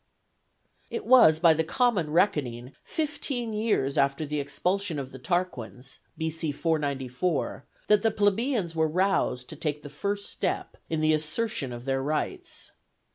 ] It was, by the common reckoning, fifteen years after the expulsion of the Tarquins (B.C. 494), that the plebeians were roused to take the first step in the assertion of their rights.